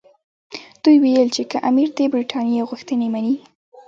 دوی ویل چې که امیر د برټانیې غوښتنې مني.